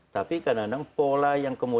tapi kadang kadang pola yang kemudian